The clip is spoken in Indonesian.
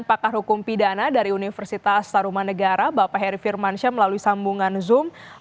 pakar hukum pidana dari universitas taruman negara bapak heri firmansyah melalui sambungan zoom